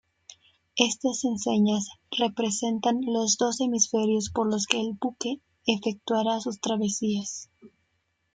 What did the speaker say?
Estas enseñas representan los dos hemisferios por los que el buque efectuará sus travesías.